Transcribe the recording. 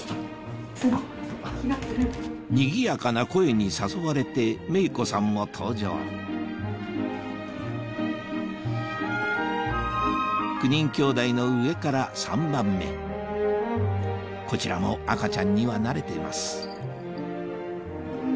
賑やかな声に誘われて芽衣子さんも登場９人きょうだいの上から３番目こちらも赤ちゃんには慣れてます